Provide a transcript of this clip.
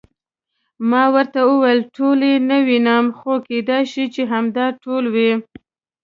ما ورته وویل: ټول یې نه وینم، خو کېدای شي چې همدا ټول وي.